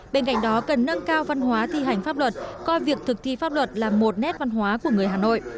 bên cạnh đó cần nâng cao văn hóa thi hành pháp luật coi việc thực thi pháp luật là một nét văn hóa của người hà nội